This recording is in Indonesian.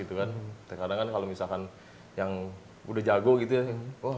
terkadang kan kalau misalkan yang udah jago gitu ya